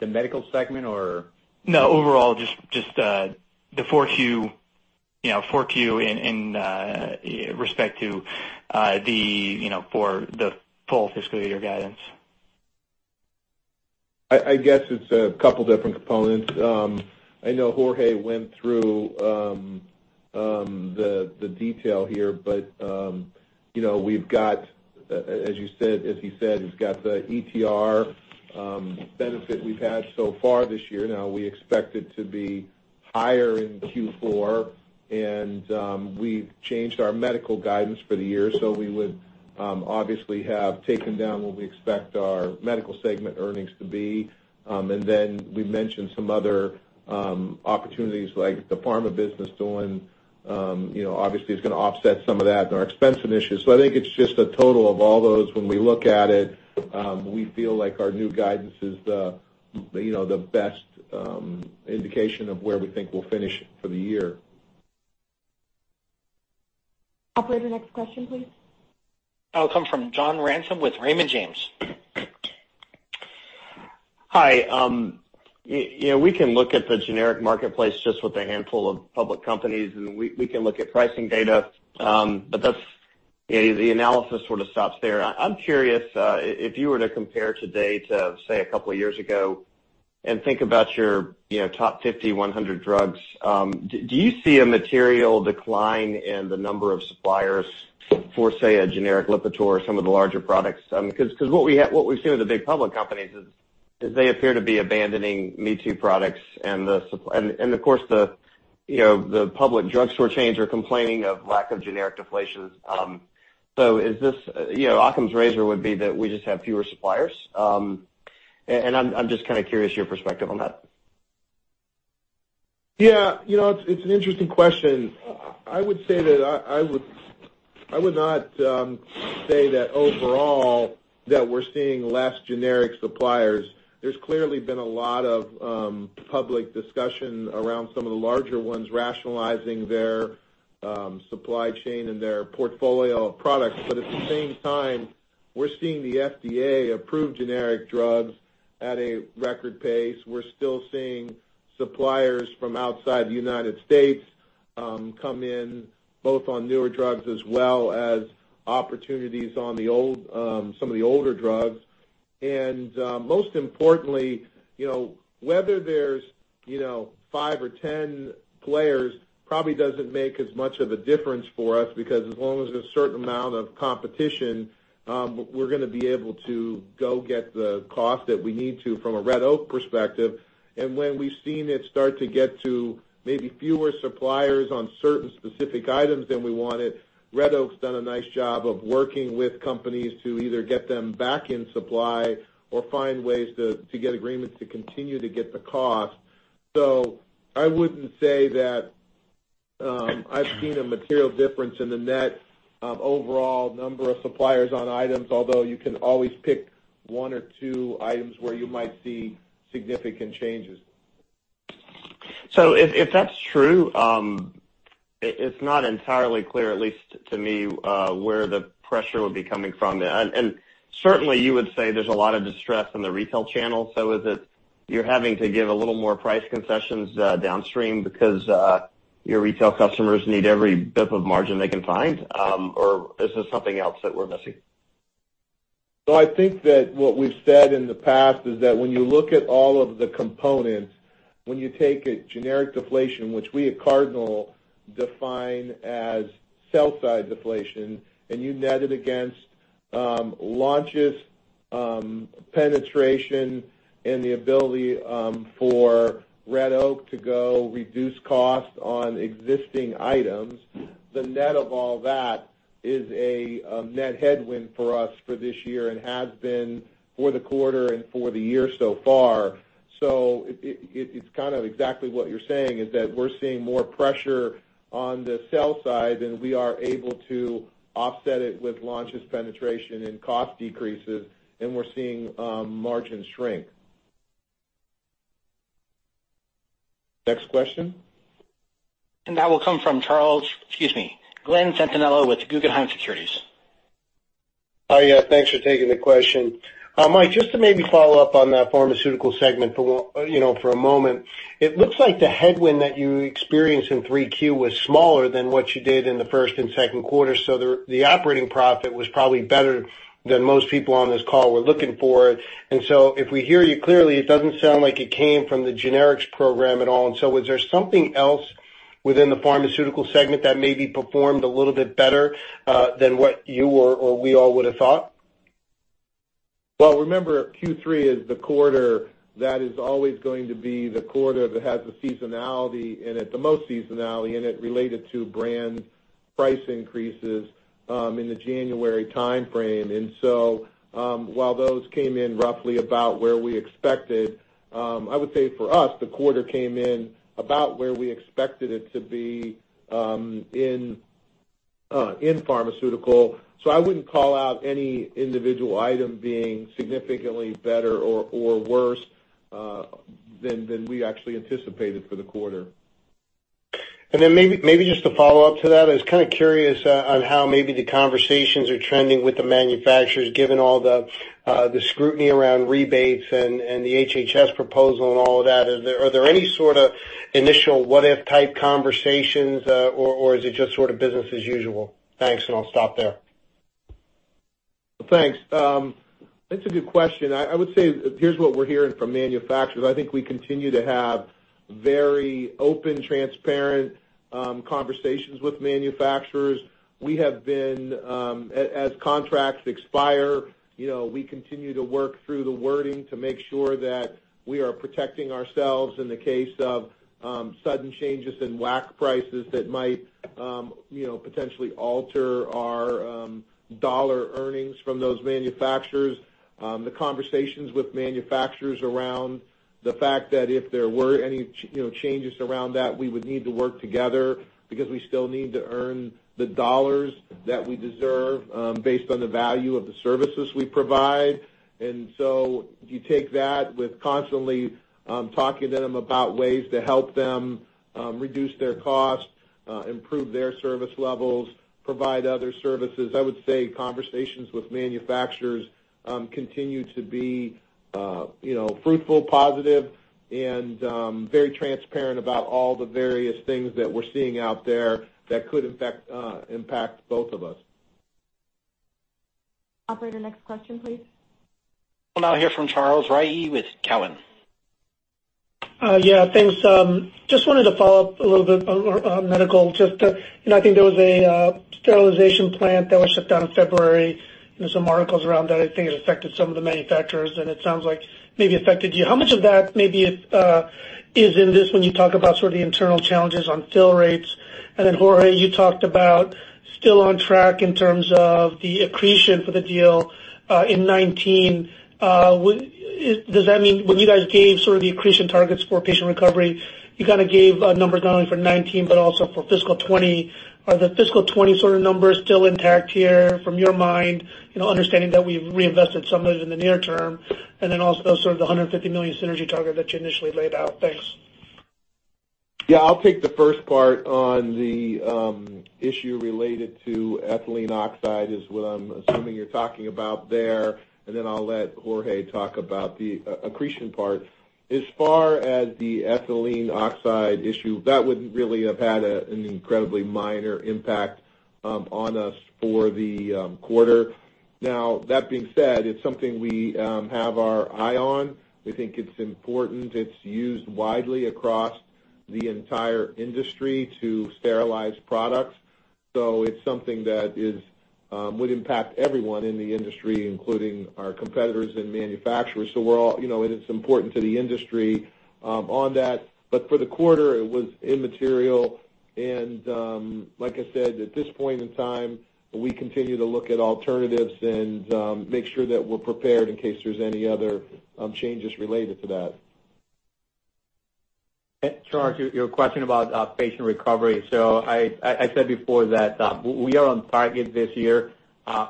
the medical segment or? No, overall, just the 4Q in respect to the full fiscal year guidance. I guess it's a couple different components. I know Jorge went through the detail here, but as he said, it's got the ETR benefit we've had so far this year. We expect it to be higher in Q4, and we've changed our medical guidance for the year, so we would obviously have taken down what we expect our medical segment earnings to be. Then we mentioned some other opportunities like the pharma business doing, obviously it's going to offset some of that and our expense initiatives. I think it's just a total of all those. When we look at it, we feel like our new guidance is the best indication of where we think we'll finish for the year. Operator, next question, please. It'll come from John Ransom with Raymond James. Hi. We can look at the generic marketplace just with a handful of public companies, and we can look at pricing data, but the analysis sort of stops there. I'm curious, if you were to compare today to, say, a couple of years ago and think about your top 50, 100 drugs, do you see a material decline in the number of suppliers for, say, a generic LIPITOR or some of the larger products? What we see with the big public companies is, they appear to be abandoning me-too products. Of course, the public drugstore chains are complaining of lack of generic deflations. Occam's razor would be that we just have fewer suppliers. I'm just kind of curious your perspective on that. Yeah. It's an interesting question. I would say that I would not say that overall, that we're seeing less generic suppliers. There's clearly been a lot of public discussion around some of the larger ones rationalizing their supply chain and their portfolio of products. At the same time, we're seeing the FDA approve generic drugs at a record pace. We're still seeing suppliers from outside the U.S., come in both on newer drugs as well as opportunities on some of the older drugs. Most importantly, whether there's five or 10 players probably doesn't make as much of a difference for us because as long as there's a certain amount of competition, we're going to be able to go get the cost that we need to from a Red Oak perspective. When we've seen it start to get to maybe fewer suppliers on certain specific items than we wanted, Red Oak's done a nice job of working with companies to either get them back in supply or find ways to get agreements to continue to get the cost. I wouldn't say that, I've seen a material difference in the net, overall number of suppliers on items, although you can always pick one or two items where you might see significant changes. If that's true, it's not entirely clear, at least to me, where the pressure would be coming from. Certainly, you would say there's a lot of distress in the retail channel. Is it you're having to give a little more price concessions downstream because your retail customers need every bit of margin they can find? Is there something else that we're missing? I think that what we've said in the past is that when you look at all of the components, when you take a generic deflation, which we at Cardinal define as sell-side deflation, and you net it against launches, penetration, and the ability for Red Oak to go reduce cost on existing items, the net of all that is a net headwind for us for this year and has been for the quarter and for the year so far. It's exactly what you're saying, is that we're seeing more pressure on the sell side than we are able to offset it with launches penetration and cost decreases, and we're seeing margins shrink. Next question. That will come from Glen Santangelo with Guggenheim Securities. Hi. Thanks for taking the question. Mike, just to maybe follow up on that pharmaceutical segment for a moment. It looks like the headwind that you experienced in Q3 was smaller than what you did in the first and second quarter, so the operating profit was probably better than most people on this call were looking for. If we hear you clearly, it doesn't sound like it came from the generics program at all. Was there something else within the pharmaceutical segment that maybe performed a little bit better than what you or we all would have thought? Well, remember, Q3 is the quarter that is always going to be the quarter that has the seasonality in it, the most seasonality in it related to brand price increases, in the January timeframe. While those came in roughly about where we expected, I would say for us, the quarter came in about where we expected it to be in pharmaceutical. I wouldn't call out any individual item being significantly better or worse than we actually anticipated for the quarter. Maybe just to follow up to that, I was curious on how maybe the conversations are trending with the manufacturers, given all the scrutiny around rebates and the HHS proposal and all of that. Are there any sort of initial what-if type conversations, or is it just sort of business as usual? Thanks, and I'll stop there. Thanks. That's a good question. I would say, here's what we're hearing from manufacturers. I think we continue to have very open, transparent, conversations with manufacturers. As contracts expire, we continue to work through the wording to make sure that we are protecting ourselves in the case of sudden changes in WAC prices that might potentially alter our dollar earnings from those manufacturers. The conversations with manufacturers around the fact that if there were any changes around that, we would need to work together because we still need to earn the dollars that we deserve, based on the value of the services we provide. So you take that with constantly talking to them about ways to help them reduce their costs, improve their service levels, provide other services. I would say conversations with manufacturers continue to be fruitful, positive, and very transparent about all the various things that we're seeing out there that could impact both of us. Operator, next question, please. We'll now hear from Charles Rhyee with Cowen. Yeah, thanks. Just wanted to follow up a little bit on medical. I think there was a sterilization plant that was shut down in February, and there's some articles around that. I think it affected some of the manufacturers, and it sounds like maybe affected you. How much of that maybe is in this when you talk about sort of the internal challenges on fill rates? Jorge, you talked about still on track in terms of the accretion for the deal in 2019. When you guys gave sort of the accretion targets for Patient Recovery, you kind of gave numbers not only for 2019, but also for fiscal 2020. Are the fiscal 2020 sort of numbers still intact here from your mind, understanding that we've reinvested some of it in the near term, and then also sort of the $150 million synergy target that you initially laid out? Thanks. Yeah. I'll take the first part on the issue related to ethylene oxide, is what I'm assuming you're talking about there. I'll let Jorge talk about the accretion part. As far as the ethylene oxide issue, that would really have had an incredibly minor impact on us for the quarter. That being said, it's something we have our eye on. We think it's important. It's used widely across the entire industry to sterilize products. It's something that would impact everyone in the industry, including our competitors and manufacturers, and it's important to the industry on that. For the quarter, it was immaterial, and like I said, at this point in time, we continue to look at alternatives and make sure that we're prepared in case there's any other changes related to that. Charles, your question about Patient Recovery. I said before that we are on target this year.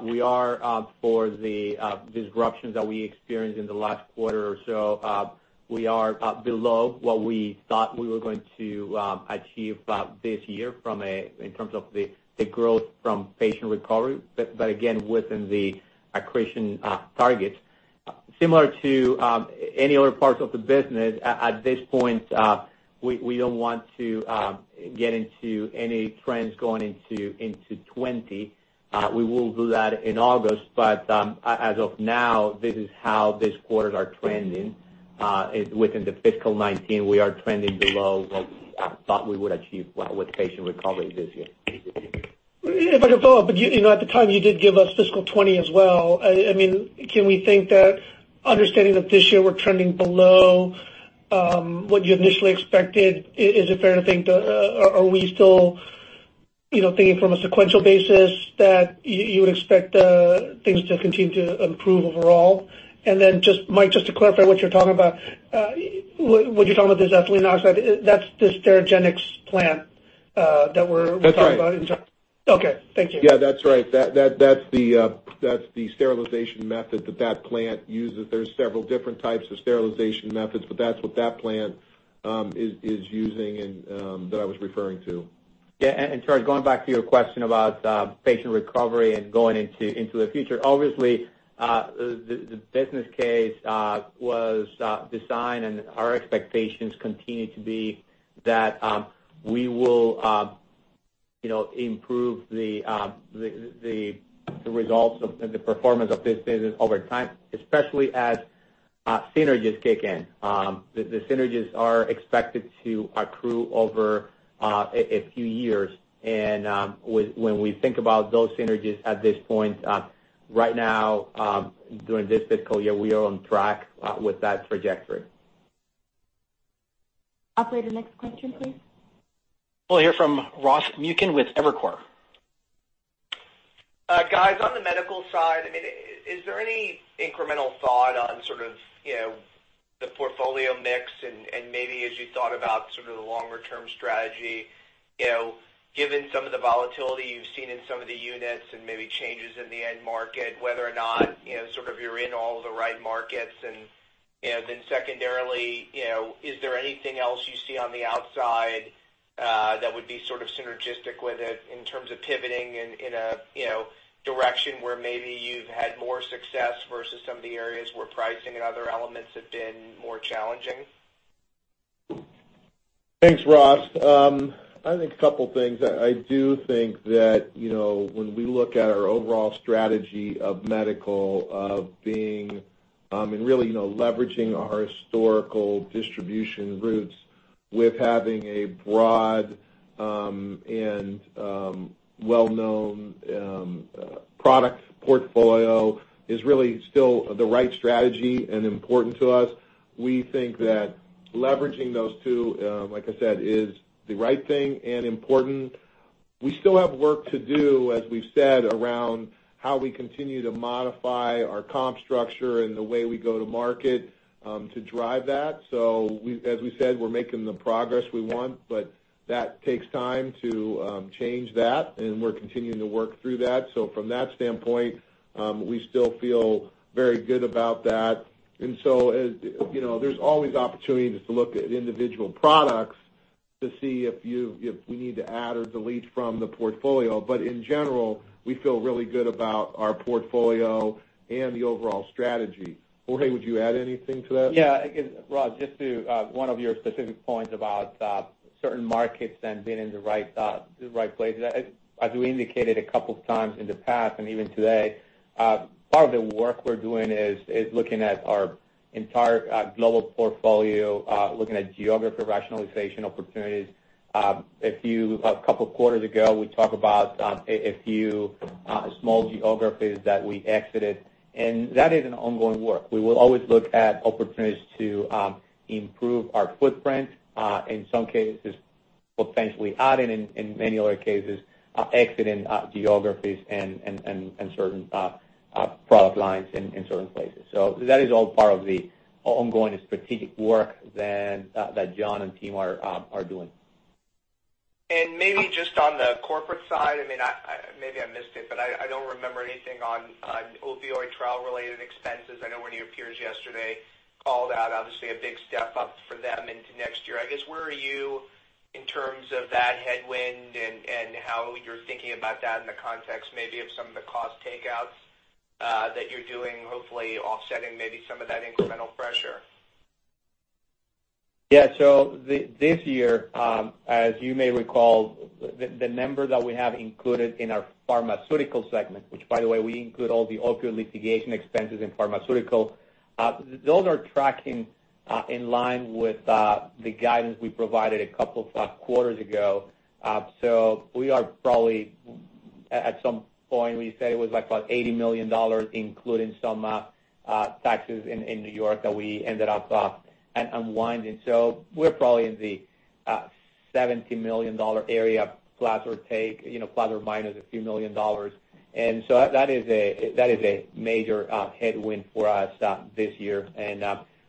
We are for the disruptions that we experienced in the last quarter or so. We are below what we thought we were going to achieve this year in terms of the growth from Patient Recovery, but again, within the accretion targets. Similar to any other parts of the business, at this point, we don't want to get into any trends going into 2020. We will do that in August, but as of now, this is how these quarters are trending. Within the fiscal 2019, we are trending below what we thought we would achieve with Patient Recovery this year. If I could follow up, at the time, you did give us fiscal 2020 as well. Can we think that understanding that this year we're trending below what you initially expected, is it fair to think, are we still thinking from a sequential basis that you would expect things to continue to improve overall? Mike, just to clarify what you're talking about, when you're talking about this ethylene oxide, that's the Sterigenics plant that we're- That's right. -talking about in terms Okay. Thank you. Yeah, that's right. That's the sterilization method that that plant uses. There's several different types of sterilization methods, but that's what that plant is using, and that I was referring to. Charles, going back to your question about Patient Recovery and going into the future. Obviously, the business case was designed, and our expectations continue to be that we will improve the results of the performance of this business over time, especially as synergies kick in. The synergies are expected to accrue over a few years, and when we think about those synergies at this point, right now, during this fiscal year, we are on track with that trajectory. Operator, next question, please. We'll hear from Ross Muken with Evercore. Guys, on the medical side, is there any incremental thought on sort of the portfolio mix and maybe as you thought about sort of the longer term strategy, given some of the volatility you've seen in some of the units and maybe changes in the end market, whether or not sort of you're in all the right markets? Then secondarily, is there anything else you see on the outside that would be sort of synergistic with it in terms of pivoting in a direction where maybe you've had more success versus some of the areas where pricing and other elements have been more challenging? Thanks, Ross. I think a couple things. I do think that when we look at our overall strategy of medical, of being and really leveraging our historical distribution routes with having a broad and well-known product portfolio is really still the right strategy and important to us. We think that leveraging those two, like I said, is the right thing and important. We still have work to do, as we've said, around how we continue to modify our comp structure and the way we go to market to drive that. As we said, we're making the progress we want, but that takes time to change that, and we're continuing to work through that. From that standpoint, we still feel very good about that. So there's always opportunities to look at individual products to see if we need to add or delete from the portfolio. In general, we feel really good about our portfolio and the overall strategy. Jorge, would you add anything to that? Yeah. Ross, just to one of your specific points about certain markets and being in the right place. As we indicated a couple times in the past, and even today, part of the work we're doing is looking at our entire global portfolio, looking at geography rationalization opportunities. A couple quarters ago, we talked about a few small geographies that we exited, and that is an ongoing work. We will always look at opportunities to improve our footprint, in some cases, potentially adding, in many other cases, exiting geographies and certain product lines in certain places. That is all part of the ongoing strategic work that John and team are doing. Maybe just on the corporate side, maybe I missed it, but I don't remember anything on opioid trial-related expenses. I know one of your peers yesterday called out, obviously, a big step up for them into next year. I guess, where are you in terms of that headwind and how you're thinking about that in the context maybe of some of the cost takeouts that you're doing, hopefully offsetting maybe some of that incremental pressure? Yeah. This year, as you may recall, the number that we have included in our pharmaceutical segment, which by the way, we include all the opioid litigation expenses in pharmaceutical. Those are tracking in line with the guidance we provided a couple quarters ago. We are probably, at some point, we say it was about $80 million, including some taxes in New York that we ended up unwinding. We're probably in the $70 million area, plus or minus a few million dollars. That is a major headwind for us this year.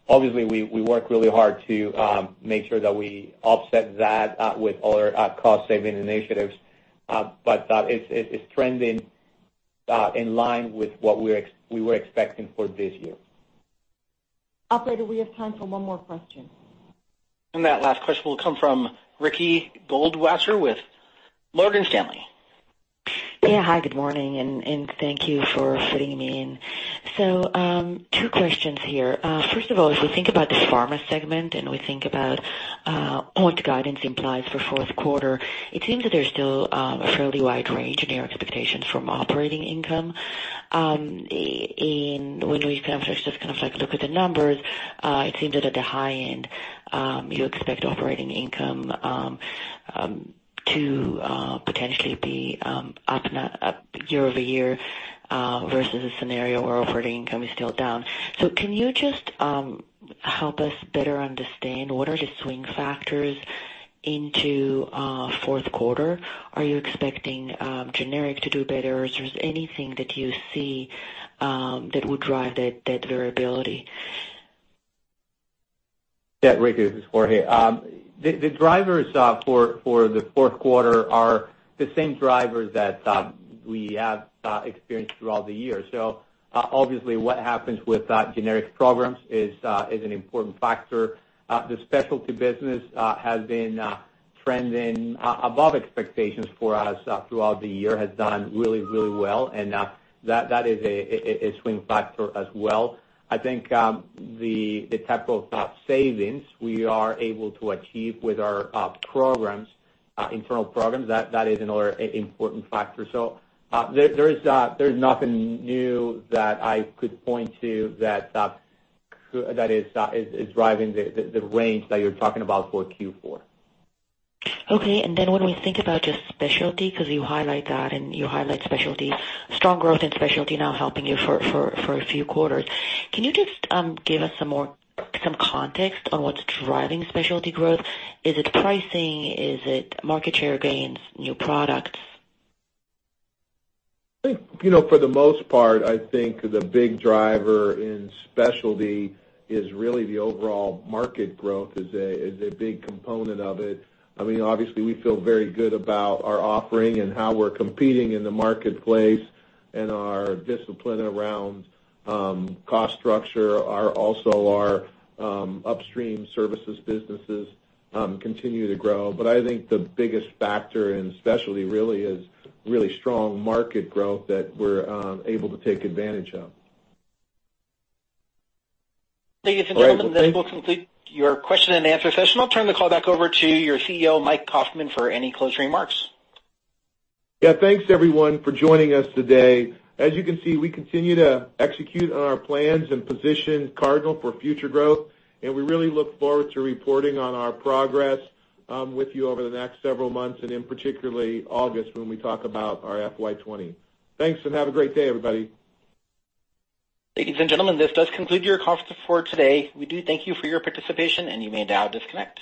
Obviously, we work really hard to make sure that we offset that with other cost-saving initiatives. It's trending in line with what we were expecting for this year. Operator, we have time for one more question. That last question will come from Ricky Goldwasser with Morgan Stanley. Yeah. Hi, good morning, and thank you for fitting me in. Two questions here. First of all, as we think about this pharma segment, and we think about what guidance implies for fourth quarter, it seems that there's still a fairly wide range in their expectations from operating income. When we kind of like look at the numbers, it seems that at the high end, you expect operating income to potentially be up year-over-year versus a scenario where operating income is still down. Can you just help us better understand what are the swing factors into fourth quarter? Are you expecting generic to do better, or is there anything that you see that would drive that variability? Yeah, Ricky, this is Jorge. The drivers for the fourth quarter are the same drivers that we have experienced throughout the year. Obviously, what happens with generic programs is an important factor. The specialty business has been trending above expectations for us throughout the year, has done really, really well, and that is a swing factor as well. I think the type of savings we are able to achieve with our programs, internal programs, that is another important factor. There's nothing new that I could point to that is driving the range that you're talking about for Q4. Okay. When we think about just specialty, because you highlight that and you highlight specialty, strong growth in specialty now helping you for a few quarters. Can you just give us some context on what's driving specialty growth? Is it pricing? Is it market share gains, new products? I think for the most part, I think the big driver in specialty is really the overall market growth is a big component of it. Obviously, we feel very good about our offering and how we're competing in the marketplace and our discipline around cost structure. Also, our upstream services businesses continue to grow. I think the biggest factor in specialty really is strong market growth that we're able to take advantage of. Ladies and gentlemen, that will complete your question and answer session. I'll turn the call back over to your CEO, Mike Kaufmann, for any closing remarks. Yeah. Thanks everyone for joining us today. As you can see, we continue to execute on our plans and position Cardinal for future growth. We really look forward to reporting on our progress with you over the next several months, in particular August, when we talk about our FY 2020. Thanks, have a great day, everybody. Ladies and gentlemen, this does conclude your conference for today. We do thank you for your participation, and you may now disconnect.